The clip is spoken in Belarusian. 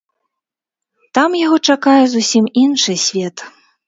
Там яго чакае зусім іншы свет.